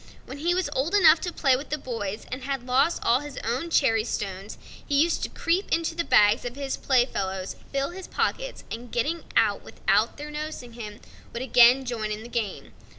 When he was old enough to play with the boys, and had lost all his own cherry stones, he used to creep into the bags of his play fellows, fill his pockets, and, getting out without their noticing him, would again join in the game.